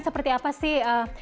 seperti apa sih